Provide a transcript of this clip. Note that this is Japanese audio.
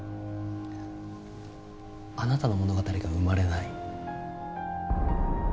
あなたの物語が生まれない。